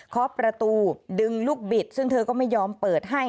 ขอประตูดึงลูกบิดซึ่งเธอก็ไม่ยอมเปิดให้